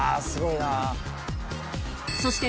「すごいよな